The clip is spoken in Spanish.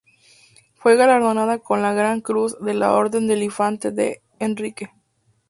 Fue galardonada con la Gran Cruz de la Orden del Infante D. Henrique.